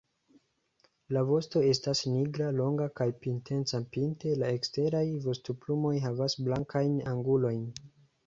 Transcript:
La vosto estas nigra, longa, kaj pinteca pinte; la eksteraj vostoplumoj havas blankajn angulojn.